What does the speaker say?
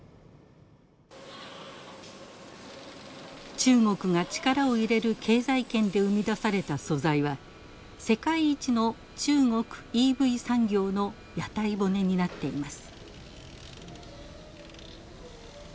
中国が力を入れる経済圏で生み出された素材は世界一の中国ＥＶ産業の屋台骨になっています。